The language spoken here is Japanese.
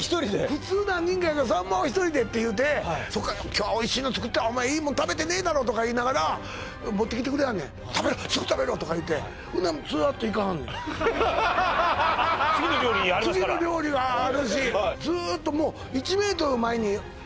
普通何人かやけどさんまは１人でっていうて今日はおいしいの作ってやるお前いいもん食べてねえだろとか言いながら持ってきてくれはんねん食べろすぐ食べろとかいうてほんならさーっと行かはんねん次の料理ありますから次の料理はあるし